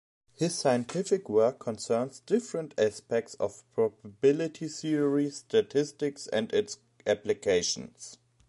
His scientific work concerns different aspects of probability theory, statistics and its applications.